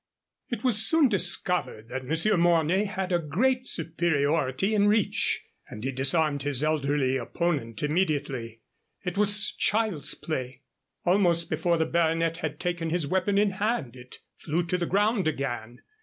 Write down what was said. It was soon discovered that Monsieur Mornay had a great superiority in the reach, and he disarmed his elderly opponent immediately. It was child's play. Almost before the Baronet had taken his weapon in hand it flew to the ground again.